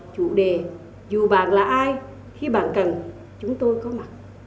chủ đề dù bạn là ai khi bạn cần chúng tôi có mặt